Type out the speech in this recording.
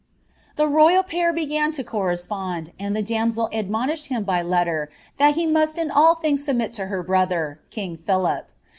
The royal pair began to correspond, and the d&msel ulm^ ished him by letter, thai he must in all things submit lo her btotktr. king Philip.